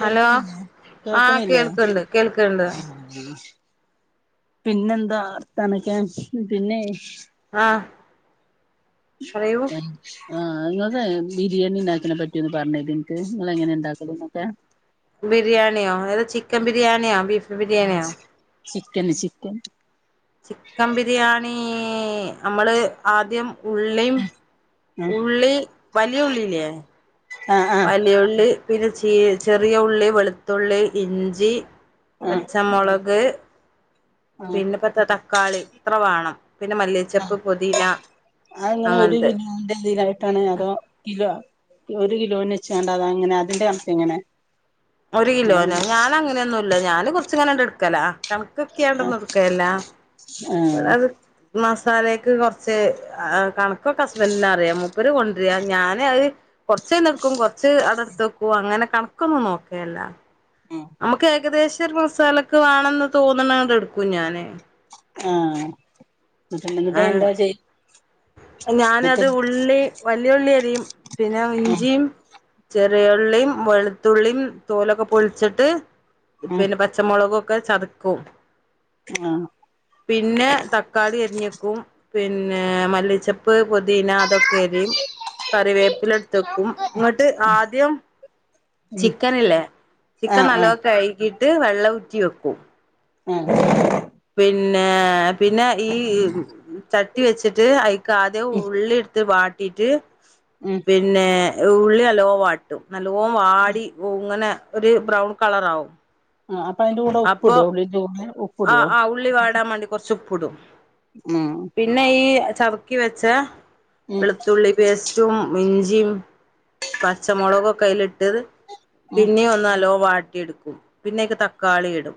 Hello ആഹ് കേൾക്കണില്ലേ കേൾക്കണ്ട് കേൾക്കണ്ട് പിന്നെന്താ വർത്താനൊക്കെ പിന്നെയ് ആഹ് പറയൂ ആഹ് ങ്ങതൈൾ ബിരിയാണിണ്ടാക്കനെ പറ്റ്യൊന്ന് പറഞ്ഞേരോ ഇൻക്ക്? ങ്ങളെങ്ങനെ ണ്ടാക്ക്ണത് ന്നൊക്കെ? ബിരിയാണ്യോ അതായത് ചിക്കൻ ബിരിയാണിയോ? ബീഫ് ആഹ് ബിരിയാണിയോ ചിക്ക ചിക്കന്. ചിക്കൻ ബിരിയാണീ നമ്മള് ആദ്യം ഉള്ളിം ആഹ് ഉള്ളി വലിയ ഉള്ളില്ലേ? ആഹ് വലിയുള്ളി പിന്നെ ചി ചെറിയ ഉള്ളി വെളുത്തുള്ളി ഇഞ്ചി ആഹ് ആഹ് പച്ചമുളക് ആഹ് പിന്നെപ്പെന്ത തക്കാളി ഇത്ര വേണം പിന്നെ മല്ലിച്ചപ്പ് പൊദീന അതെങ്ങനെ ഒരു കിലോന്റെതിലായിട്ടാണ് അതോ കിലോ? ഒരു കിലോന് വെച്ചാണ്ടതങ്ങനെ അതിന്റെ കണക്കെങ്ങനെ? ഒരു കിലോനോ ഞാനങ്ങനേന്നുല്ല ഞാന് കുറച്ചിങ്ങനെണ്ട്ട്ക്കല. ആഹ് കണക്കൊക്കിയാണ്ടൊന്നുട്കല്ല ആഹ് ഇവിടെ അത് മസാലേക്ക് കൊറച്ച് കണക്കൊക്കെ ഹസ്ബൻഡിനറിയാ മൂപ്പര് കൊണ്ട്ര ഞാനത് കൊർച്ചയിന്ന്ട്ക്കു കൊർച്ച് അവടെ ട്ത്തേക്കും അങ്ങനെ കണക്കൊന്നും നോക്കെല്ല. ് നമക്ക് ഏകദേശൊര് മസാലക്ക് വാണന്ന് തോന്നണണ്ട്ട്ക്കും ഞാന്. ആഹ് ഏഹ് ന്നിട്ടെന്താ ചെയ്യ. എന്നിട്ട് ഞാനത് ഉള്ളി വലിയ ഉള്ളി അരിയും പിന്നെ ആഹ് ഇഞ്ചീം ചെറിയുള്ളിം വെളുത്തുള്ളിം തോലൊക്കെ പൊളിച്ചിട്ട് ആഹ് പിന്നെ പച്ച പച്ചമുളൊകൊക്കെ ചതക്കും. ആഹ് പിന്നെ തക്കാളി അര്ഞ്ഞേക്കും പിന്നെ മല്ലിച്ചെപ്പ് പൊതീന അതൊക്കെരിം കറിവേപ്പ് ഇല എടുത്തേക്കും ഇങ്ങ്ട്ട് ആദ്യം ഉം ചിക്കനില്ലെ ചിക്കൻ ആഹ് നല്ലോം ആഹ് കഴുകീട്ട് വെള്ളം ഊറ്റി വെക്കൂം. ആഹ് പിന്നേ പിന്നെ ഈ ചട്ടി വെച്ചിട്ട് അയ് ആദ്യം ഉം ഉള്ളിട്ത്ത് വാട്ടീറ്റ് ഉം പിന്നെ ഉള്ളി നല്ലോം വാട്ട് നല്ലോം വാടിങ്ങനെ ഒരുപാട് ബ്രൗൺ കളറാകും. ആഹ് അപ്പൊ അതിന്റെ കൂടെ ഉപ്പ്ടോ? ആ ആഹ് ഉള്ളി വാടാൻ വേണ്ടി കൊറച്ച് ഉപ്പ്ടും ഉം പിന്നെ പിന്നെ ഈ ചതക്കി വെച്ച ഉം വെളുത്തുള്ളി പേസ്റ്റും ഇഞ്ചീം പച്ചമൊളൊകൊക്കെ അയിലിട്ടത് ഉം പിന്നീം ഒന്ന് നല്ലോം വാട്ടിട്ക്കും പിന്നെയിക്ക് ത തക്കാളി ഇടും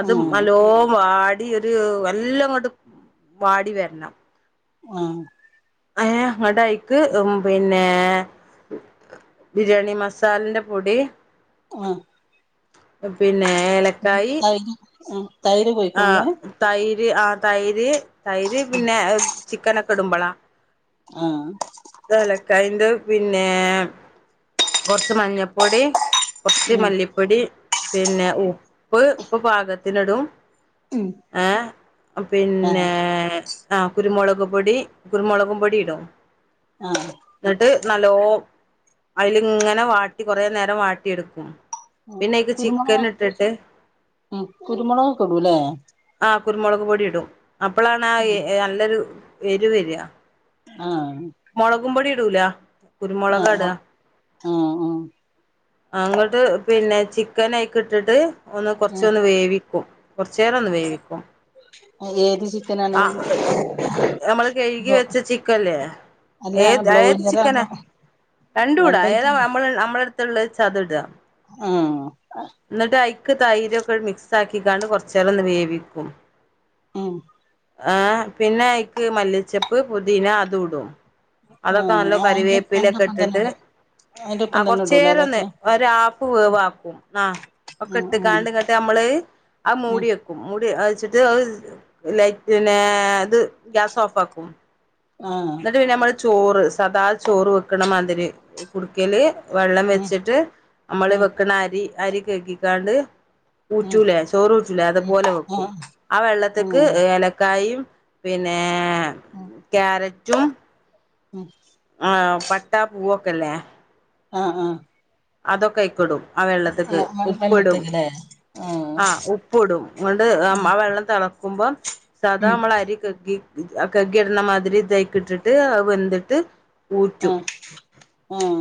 അത് ഉം നല്ലോവാ- ടി ഒര് വല്യങ്ങോട്ട് വാടി വരണം ആഹ് [unintelligible] അങ്ങോട്ടേക്ക് പിന്നേ ബിരിയാണി മസാലിന്റെ പൊടി. ആഹ് പ്പ പിന്നേ ഏലക്കായി ഉം തൈര്പോയി ആഹ് തൈര് ആഹ് തൈര് തൈര് പിന്നെ ചിക്കനൊക്കെടുമ്പള ആഹ് എലക്കായണ്ട് പിന്നേ കൊറച്ച് മഞ്ഞപ്പൊടി കൊറച്ച് ഉം മല്ലിപ്പൊടി പിന്നെ ഉപ്പ് ഉപ്പ് പാകത്തിനിടും. ഉം ഏഹ് പിന്നേ ആഹ് ആഹ് കുരുമുളക് പൊടി കുരുമുളക് പൊടി ഇടും. ആഹ് ന്നിട്ട് നല്ലോ അയിലിങ്ങനെ വാട്ടി കൊറേ നേരം വാട്ടിയെടുക്കും ഉം പിന്നെ അയ്ക്ക് ചിക്കൻ കുരുമൊളക് ഇട്ടിട്ട് ഉം കുരുമൊള ക്ക്ക്കെടൂല്ലേ? ആഹ് കുരുമുളക് പൊടി ഇടും അപ്പളാണ് ആഹ് നല്ലൊരു എരുവ ര്ക. ആഹ് മൊളകും പൊടി ഇടൂല കുരുമൊ ളക ആഹ് ഇടാ ആഹ് ആഹ് അങ്ങട്ട് പിന്നെ ചിക്കന് അയിക്ക് ഇട്ടിട്ട് ഒന്ന് കൊറച്ചൊന്ന് വേവിക്കും. കൊറച്ചേരം ഒന്ന് വേവിക്കും. ആഹ് ഏത് ചിക്കനാണ് ആഹ് അത് നമ്മള് കഴുകി ബ്ലോ വെച്ച ചിക്കല്ലേ അല്ല ഏത് ഏത് ബ്രോയിലറോ ചിക്കന അതോ രണ്ടും ഇടാ ഏതാ രണ്ടയിറ്റുണ്ടോ നമ്മൾ നമ്മളടുത്തുള്ളേച്ച തു ഇട. ആഹ് ന്നിട്ട് അയ്ക്ക് തൈര് ഒക്കെ മിക്സ് ആക്കിക്കാണ്ട് കൊറച്ചേരം ഒന്ന് വേവിക്കും. ഉം ആഹ് പിന്നഅയ്ക്ക് മല്ലിച്ചെപ്പ് പുതീന അതും ഇടും. അതൊക്കെ നല്ലൊ ആഹ് അയിന്റെ കറിവേപ്പിലേ ക്കെ അയിന്റൊപ്പം ഇട്ടിട്ട്. തന്നെണ്ട് അയിന്റൊപ്പം ആഹ് തന്നെ ഇടൂലെ കൊറച്ചേര ഒന്ന് അതൊക്കെ ഒരാഫ് വേവാക്കും ഒക്കെ ഉം ഇട്ട് ഉം കാണ്ട് ഇങ്ങട്ട് അമ്മള് അത് ഉം മൂടിവെ ക്കും മൂടിവെച്ചിട്ട് ലൈറ്റിനെ അത് ഗ്യാസ് ഓഫ് ആക്കും. ആഹ് ന്നിട്ട് പിന്നെ അമ്മള് ചോറ് സദാ ചോറ് വെക്കണ മാതിരി കുടുക്കല് വെള്ളം ഉം വെച്ചിട്ട് അമ്മള് ഉം വെക്കണ അരി അരി കഴികിക്കാണ്ട്. ഉം ഊറ്റൂലേ ചോറൂറ്റൂലേ അതുപോലെ വെക്കും ആഹ് വെള്ളത്തിക്ക് ഉം ഏലക്കായും പിന്നേ ഉം ക്യാരറ്റും. ഉം ആഹ് പട്ടാ പൂവൊക്കെ ല്ലേ? ആഹ് ആഹ് അതൊക്കെ ആയിക്ക്ടും ആഹ് വെള്ളത്തിക്ക് ആഹ് വെൾ ഉപ്പിടും. വെള്ളത്ത്ക്ക്ലേ ആഹ് ഉപ്പ് ഇടും അണ്ട് ആഹ് വെള്ളം തെളക്കുമ്പൊ സാദാ ഉം അമ്മൾ അരി കയ്കി. കയ്കിടണ മാതിരി തയ്ക്കിട്ട്ട്ട് അത് വെന്തിട്ട് ആഹ് ആഹ്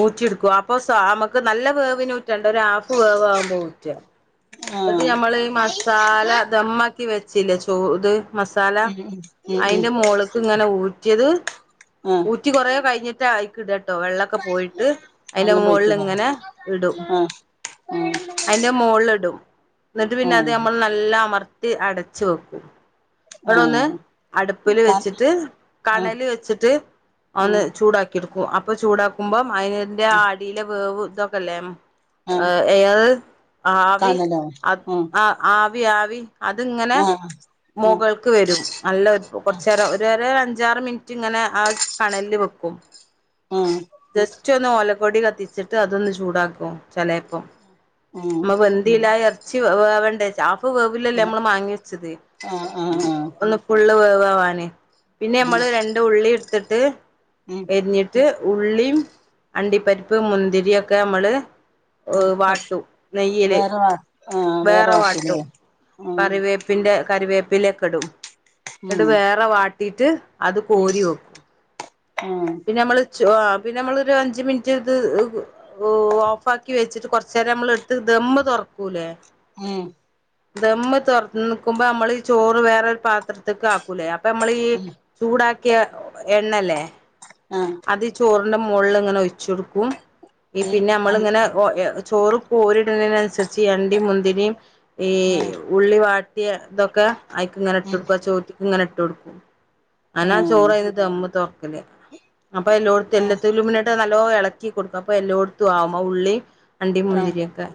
ഊറ്റി എടുക്കും അപ്പൊ സാ അമ്മക്ക് നല്ല വേവിന് ഊറ്റണ്ട ഒരു ഹാഫ് വേവ് ആവുമ്പൊ ഊറ്റ. എന്നിട്ട് ആഹ് ഞമ്മള്ഈ മസാല ദമ്മാക്കി വെച്ചില്ലേ ചൂ ഇത് മസാല ഉം ഉം ഉം അയ്ന്റെ ഉം മോള്ക്ക്ങ്ങനെ ഊറ്റിയത്. ആഹ് ഊ റി കുറെ കഴിഞ്ട്ടായി ഇടട്ടോ വെള്ളൊക്കെ പോയിട്ട്. അയ്ന്റെ വെള്ളം മോൾള് പോയിട്ട്ലേ ഇങ്ങനെ ഇടും. ആഹ് [inaudible] അയ്ന്റെ മോള്ടും ന്നിട്ട് പിന്നെ അത് ആഹ് നമ്മൾ നല്ല അമർത്തി അടച്ചു വെക്കും. ഇവിടെ ഒന്ന് ആഹ് അടുപ്പില് ക വെച്ചിട്ട് ആഹ് കണല് വെച്ചിട്ട് ഒന്ന് ഉം ചൂടാക്കി. ക്കിടുക്കും അപ്പൊ ചൂടാക്കുമ്പം. അയീന്റെ ആ ഉം അടിയിലെ വേവ് ഇതൊക്കെല്ലേ ആഹ് ഏയഹ് ആവി കാണലോ ഉം ആ ആവി ആവി അതിങ്ങനെ ആഹ് ആഹ് മുകൾക്ക് വരും നല്ല ഒരു കുറച്ചേരംഒര് രെരെ അഞ്ചാറ് മിനിറ്റ് ഇങ്ങനെ ആ കണൽല് വെക്കും ആഹ് ജസ്റ്റ് ഒന്ന് ഓലക്കൊടി കത്തിച്ചിട്ട് അതൊന്ന് ചൂടാക്കും ചെലെപ്പം ഉം നമ്മ വെൻ ന്തിലാ ഇറച്ചി വേ വേവണ്ടേ ചാഫ് വേവില്ലല്ലേ ആഹ് നമ്മള് മാങ്ങി വെച്ചത് ആഹ് ആഹ് ആഹ് ഒന്ന് ഫുള്ള് വേവാവാന് പിന്നെ ഉം നമ്മള് രണ്ട് ഉള്ളിടുത്തിട്ട് ഉം ഞ്ഞിട്ട് ഉള്ളിയും അണ്ടിപ്പരിപ്പ് മുന്തിരി ഒക്കെമ്മള് ഉം ഓഹ് പപ് വാട്ടും നെയ്യില് വേറെ വാ ആഹ് വേറെ വാർത്തല്ലേ വേറെവാട്ടും ഉം കറിവേ പ്പിന്റെ കറിവേപ്പിലൊക്കെ ഇടും ഉം എന്നിട്ട് വേറെ വാട്ടിട്ട് ഉം അത്കോരിവെക്കും ഉം പിന്നെ നമ്മള് ചോ ആ പിന്നെ നമ്മളൊരു അഞ്ച് മിനിറ്റ് ഇത് ഓഫ് ആക്കി വെച്ചിട്ട് കൊറച്ചേരം നമ്മൾ എടുത്ത് ദംമ്മ് തുറക്കൂല്ലേ ഏഹ് ദംമ്മ് തുറക്കുമ്പോ നമ്മള് ചോറ് വേറെരു പാത്രത്ക് ആക്കൂലേ അപ്പൊ നമ്മളീ ഉം ചൂടാക്കിയ എണ്ണല്ലേ ആഹ് അത് ചോറിന്റെ മോൾല് ഇങ്ങനെ ഒഴിച്ഛ് കൊടുക്കും ഈ പിന്നെ നമ്മള് ഇങ്ങനെ ഒ ഏഹ് ചോറ് കോരിടുന്നതിനനുസരിച്ച് ഈ അണ്ടിം മുന്തിരിം ഈ ആഹ് ഉള്ളി വാട്ടിയതൊക്കെ അയിക്ക്ങ്ങനെ ഉം ഇട്ടൊടുക്കു ആ ചോറ്റ്ക്ക് ങ്ങനെ ഇട്ടൊടുക്കും ആനാ ചോറ് ആഹ് അയ്‌ന് ദംമ്മ് തൊർക്കല് അപ്പൊ എല്ലോടുത്തും ആഹ് എല്ലത്തിലും ഇട്ട് നല്ലോ ഇളക്കി കൊടുക്കും അപ്പൊ എല്ലോടുത്തും ആവും ആ ഉള്ളി അണ്ടി ആഹ് മുന്തിരിയൊക്കെ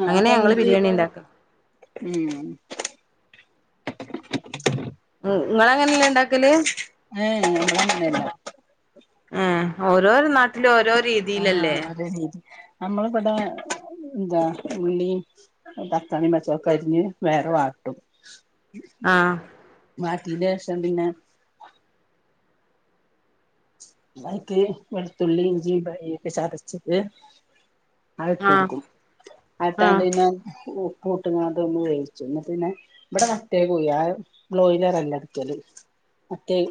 ആഹ് അങ്ങനെ അപ്പൊ ഞങ്ങള് എന്നിട്ട് ബിരിയാണിണ്ടാക്ക ഉം നിങ്ങളങ്ങനല്ലേ ഉണ്ടാക്കല് [unintelligible] ഏഹ് ഓരോരോ നാട്ടിലും ഓരോ രീതീലല്ലേ [unintelligible] അമ്മള് വടേ എന്താ ഉള്ളി തക്കാളീം പച്ചോളൊക്കെരിഞ്ഞ് വേറെ വാട്ടും ആഹ് വാട്ടിയെന്റെഷം പിന്നെ അയ്ക്ക് വെളുത്തുള്ളി ഇഞ്ചി ഒക്കെ ചതച്ചിട്ട് അഹ് ആഹ് ഇട്ടോക്കും ആഹ് അഹ്ട്ടാണ്ട് പിന്നെ ഉ പ്പൂട്ട്ങ്ങാണ്ട് ഒന്ന് വേവിച്ചു ന്നട്ട് പിന്നെ ഇവിടെ മറ്റേ കോയിയ ബ്രോയിലറല്ല കിട്ടല് മറ്റേയ്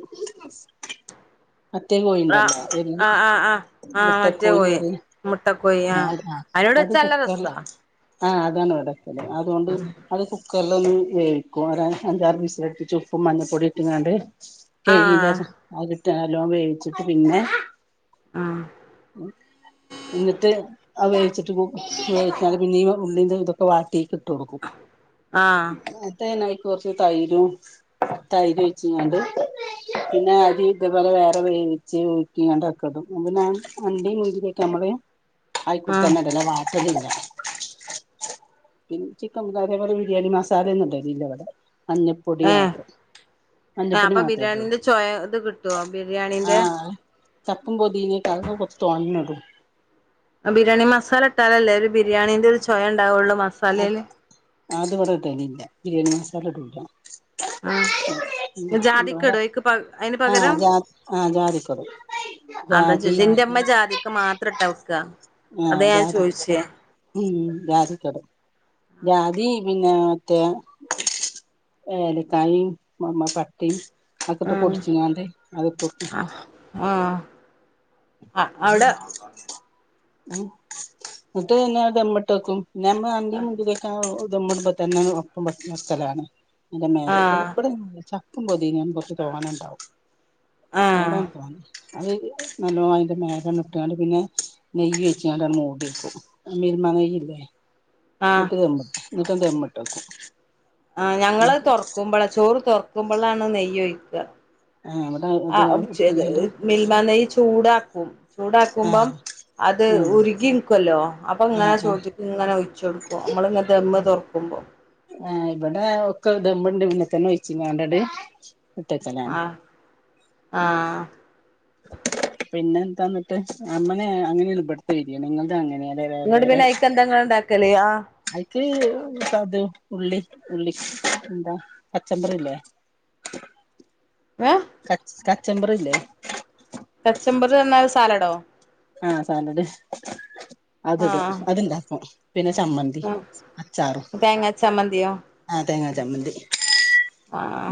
മറ്റേ ആഹ് കോയിണ്ടല്ലോ ആഹ് ആഹ് ആഹ് ആഹ് മറ്റേ മുട്ടകോയി കോയി അറിം മുട്ടക്കോയി ആഹ് അത അതിനോട് അത് വെച്ചാ നല്ല കുക്കാർല് രസാ ആ അതാണ് ഇവിടെകിട്ടാല് അതുകൊണ്ട് അത് കു കുക്കറില് ഒന്ന് വേവിക്കും അഞ്ചാറ് വിസിലടിപ്പിച്ച് ഉപ്പും മഞ്ഞപ്പൊടി ഇട്ടിങ്ങാണ്ട് ആഹ് [unintelligible] അതിട്ട്ല്ല് നല്ലോണം വേവിച്ചിട്ട് പിന്നെ- ആഹ് ഉംഹ് [unintelligible] എന്നിട്ട് ആത് വേവിച്ചിട്ട് പിന്നെയ ഉള്ളി ഇതൊക്കെ വാട്ടിയെക്ക് ഇട്ടു കൊടുക്കും ആഹ് അയിലേക്ക് കൊറച്ച് തൈരും തൈര് ഒയിച്ചിങ്ങാണ്ട് പിന്നെ അരി അതേപോലെ വേറെ വേയവിച്ചു ഊറ്റിങ്ങാണ്ട് ഇടും പിന്നെ അണ്ടി മുന്തിരിക്കെ നമ്മള്- ആഹ് ആയികുട്ടത്തിലൂടുക വാട്ടിട്ട് ഇടില്ല പിന്നെ ചിക്കൻ അതേപോലെ ബിരിയാണി മസാല ഒന്നുംയിടലില്ല ഇവിടെ മഞ്ഞ ഏഹ് അപ്പൊ മാത്രം ഇടോ ബിരിയാണീന്റെ ചോയ ഇത് കിട്ടുവോ? ബിരിയാണീന്റെ ആഹ് ചപ്പും പോതിനെയിട്ട് അതൊക്കെ കൊറച്ചു തോനെയിടും ബിരിയാണി മസാല ഇട്ടാലല്ലേ ഒരു ബിരിയാണിന്റെ ഒരു ചൊവയുണ്ടാവള്ളൂ മ അത് അത് ഇവിടെ ഇടിലില്ല ബിരിയാണി മസാല ഇടുലാ ആ ജാതിക്ക ഇടുവോ ഏക്ക് അയിന് ആഹ് പകരം ജാ ആഹ് ജാതിക്ക ഇടും അതാ ജാതി ചോദിച്ചേ എന്റ അമ്മ ജാതിക്കെ മാത്രം ഇട്ടാ വെക്കുക ആഹ് ജാതി- ഉം ജാതിക്ക ഇടും ജാതി പിന്നെ മറ്റേ- ഏലക്കായും നമ്മടെ പട്ടയും അതൊക്കെ ഇട്ട് ആഹ് പൊടിചങ്ങാണ്ട് അത്- ആഹ് ആഹ് അ അവിടെ- ഉ എന്നിട്ട് പിന്നെ അത് ദം ഇട്ട് വക്കും പിന്നെ നമ്മള് അണ്ടി മുന്തിരിക്കെ ദം ഇടുമ്പോ തന്നെ ഒപ്പം വെക്കലാണ് നല്ല മേലെ ആഹ് ഇപ്പൊ ചപ്പും പൊതിനയും കൊറച്ച് തോനെണ്ടാവും ആഹ് അതാണ് അത് നല്ലോ അതിന്റെ മേ എണ്ണട്ടാണ്ട് പിന്നെ- നെയ്യ് വെച്ചണ്ട് മൂടിക്കും ആ മിൽമ നെയ്യല്ലേ ആഹ് എന്നിട്ട് ദം ഇടും എന്നിട്ട് ദം ഇട്ട് വയ്ക്കും ആ ഞങ്ങള് തൊറക്കുമ്പളാ ചോറ് തൊറക്കുമ്പോളാണ് നെയ്യ് ഒഴിക്കുക ആഹ് അവിടെ ഇത് ആ വയ്ക്കുന്നത് മിൽമ നെയ്യ് ചൂടാക്കും ആഹ് ചൂടാക്കുമ്പം അത് ആഹ് ഉരുകി- ക്കുവല്ലോ അപ്പൊ ഇങ്ങനെ ആഹ് ആഹ് ചോറ്റ [unintelligible] യ്ക്ക് ഇങ്ങനെ ഒഴിച്ചു കൊടുക്കും നമ്മളിങ്ങ ദമ്മ് തൊറക്കുമ്പോ ആഹ് ഇവിടെ ഒക്കെ ദമ്മ് ഒണ്ട് പിന്നെ തന്നെ വച്ചിങ്ങാണ്ട് അത് ആഹ് ആഹ് പിന്നെ തന്നിട്ട് അമ്മനെ അങ്ങനെ ഇളപെടുത്ത വരിയ നിങ്ങള് അങ്ങനെയ അങ്ങോട്ട് പിന്നെ ആയിക്ക് എന്താ നിങ്ങള് ഒണ്ടാക്കല് ആ ഐക്ക് ഉള്ളി ഉള്ളി എന്താ പച്ചക്കറിയില്ലേ ഏഹ് ക തച്ചമ്പറില്ലേ തച്ചമ്പർ എന്നു പറഞ്ഞാൽ സാലഡോ ആഹ് സാലഡ് അതിടും ആഹ് അത്ണ്ടാക്കും പിന്നെ ചമ്മന്തി അച്ചാറും തേങ്ങാ ചമ്മന്തിയോ ആഹ് തേങ്ങാ ചമ്മന്തി ആഹ്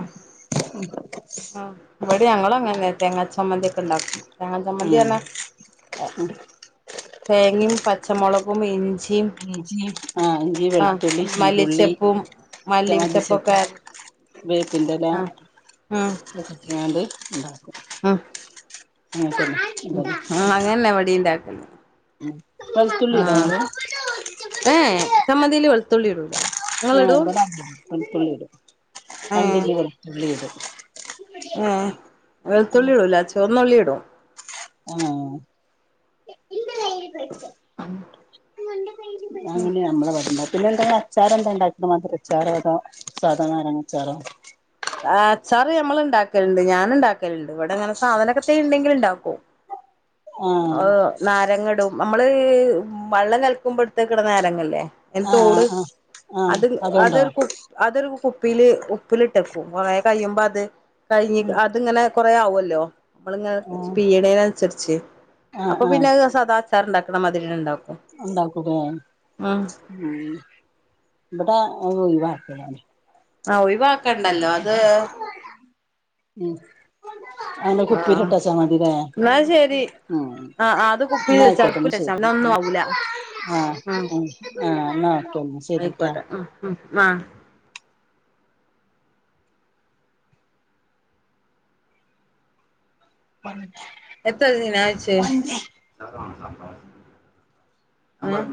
ആ ഇവിടെ ഞങ്ങളും അങ്ങനെ തേങ്ങാ ചമ്മന്തി ഒക്കെ ഒണ്ടാക്കും തെങ്ങ ചമ്മന്തി ഉം പറഞ്ഞാ തേങ്ങും പ പച്ചമുളകും ഇഞ്ചിയും ഇഞ്ചി ആ ഇഞ്ചി ആഹ് വെളുത്തുള്ളി ചീരുള്ളി മല്ലിച്ചപ്പും മല്ലിം ചെപ്പൊക്കെ വേപ്പിൻ്റെലാ ഉം ഇട്ട്കാണ്ട് ഇണ്ടാക്കും അങ്ങൻതന്നെ. ആഹ് അങ്ങനെന്നെ ഇബടിം ഇണ്ടാക്കൽ. ഉം വെള്ത്തുള്ളി ഇടോ ഇങ്ങള്? ഏയേ ചമ്മന്തീല് വെള്ത്തുള്ളി ഇടൂല. ഇങ്ങള് ഇടും? വെള്തുള്ളിയിടും രണ്ട് ഏഹ് ഇല്ലി വെള്തുള്ളിയിടും. ഏഹ് വെള്ത്തുള്ളി ഇടൂല. ചുവന്നുള്ളി ഇടും. ഏഹ്. [unintelligible] അങ്ങനെ ഞമ്മളെ ഇബടെ ഇണ്ടാക്കല് [unintelligible] അച്ചാറെന്താ ണ്ടാക്കാ മധുരച്ചാറോ അതോ സാധാ നാരങ്ങച്ചാറോ? ആഹ് അച്ചാറ് ഞമ്മള്ണ്ടാക്കല്ണ്ട് ഞാന് ണ്ടാക്കല്ണ്ട്. ഇവടെങ്ങനെ സാധനൊക്കെ എത്തേംണ്ടെങ്കില് ണ്ടാക്കും. ആഹ് അഹ് നാരങ്ങ ഇടും നമ്മള് വള്ളം കലക്കുമ്പോ ഇട്ത്തക്ണ നാരങ്ങല്ലേ. അയ്ൻ്റെ തോട് ആഹ് ആഹ് ആഹ് അത് അതുണ്ടോ അതൊരു കു അതൊരു കുപ്പീല് ഉപ്പിലിട്ടക്കും. കൊറേ കയ്യുമ്പത്, കഴിഞ്ഞ് ഉം അതിങ്ങനെ കൊറേ ആവൊല്ലോ നമ്മളിങ്ങനെ ആഹ് പീഴ്ണേന് അന്സരിച്ച്. ആഹ് അപ്പൊ പിന്നെ ആഹ് അഹ് സാദാ അച്ചാറ്ണ്ടാക്ണ മാതിരിയെന്നേ ഇണ്ടാക്കും. ഉണ്ടാക്കൂലേ ഉം. ഉം ഇബടേ അത് ഒഴിവാക്കലാണ്. ആഹ് ഒഴിവാക്കണ്ടല്ലോ അത്, ഉം അങ്നെ ആ കുപ്പീല് ഇട്ടച്ചാ മതിലേ. എന്നാ ശരി ആഹ് ആ ആ അത് കുപ്പിൽ ഇന്നാ വെച്ചാ ആയിക്കോട്ടെ ഇന്നാ ഉപ്പിൽ വെച്ചാ ശരി പിന്നെ ഒന്നും ഓക്കെ ആവൂല ആഹ് ഉം അഹ്. ആഹ് ന്നാ. ആയിക്കോട്ടെ ഉം ഉം ആഹ്. പറ എത്ര ദിന ആച്ച ആഹ്